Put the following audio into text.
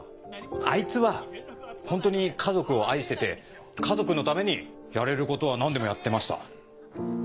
あいつはホントに家族を愛してて家族のためにやれることは何でもやってました。